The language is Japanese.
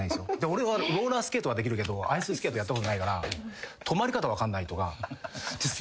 俺はローラースケートはできるけどアイススケートはやったことないから止まり方分かんないとか。